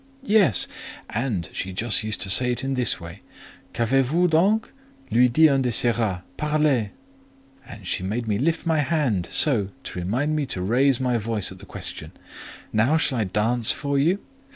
"Yes, and she just used to say it in this way: 'Qu'avez vous donc? lui dit un de ces rats; parlez!' She made me lift my hand—so—to remind me to raise my voice at the question. Now shall I dance for you?"